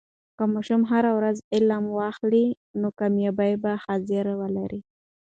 که ماشوم هر ورځ علم واخلي، نو کامیابي به حاضري ولري.